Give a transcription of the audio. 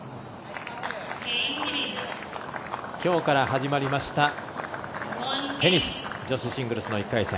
きょうから始まりましたテニス女子シングルスの１回戦。